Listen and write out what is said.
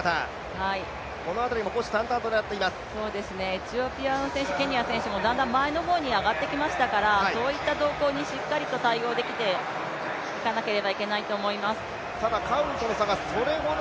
エチオピアの選手、ケニアの選手もだんだん前の方に上がってきましたからそういった動向にしっかりと対応していかなければならないと思います。